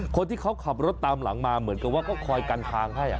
คนที่เขาขับรถตามหลังมาเหมือนกับว่าก็คอยกันทางให้